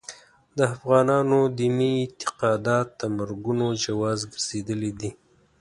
د افغانانو دیني اعتقادات د مرګونو جواز ګرځېدلي دي.